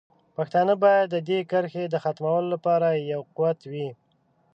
پښتانه باید د دې کرښې د ختمولو لپاره یو قوت وي.